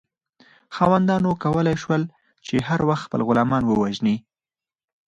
خاوندانو کولی شول چې هر وخت خپل غلامان ووژني.